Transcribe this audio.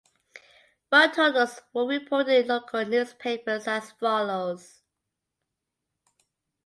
Vote totals were reported in local newspapers as follows.